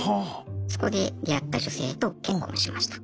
そこで出会った女性と結婚しました。